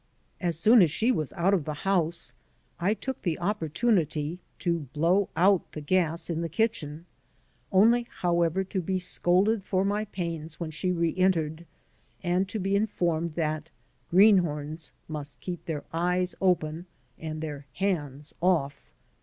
As soon as she was out of the house I took the opportunity to blow out the gas in the kitchen, only, however, to be scolded for my pains when she re entered and to be informed that greenhorns must keep their eyes open and their hands off.